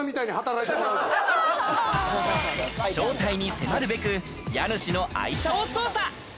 正体に迫るべく家主の愛車を捜査。